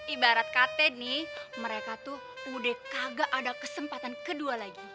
ibarat kate nih mereka tuh udah kagak ada kesempatan kedua lagi